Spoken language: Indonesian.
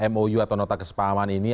mou atau nota kesepahaman ini